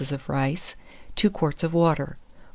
of rice, 2 quarts of water.